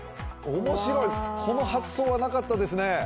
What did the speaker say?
面白い、この発想はなかったですね。